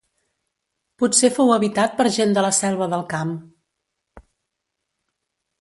Potser fou habitat per gent de la Selva del Camp.